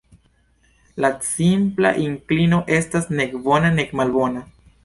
La simpla inklino estas nek bona nek malbona.